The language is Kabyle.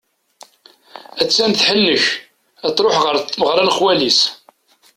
Att-an tḥennek, ad truḥ ɣer tmeɣra n xwali-s.